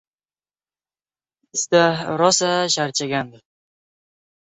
Ishda rosa charchagandi...